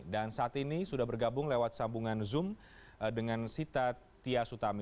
dan saat ini sudah bergabung lewat sambungan zoom dengan sita tiasutami